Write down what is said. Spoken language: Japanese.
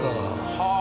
はあ。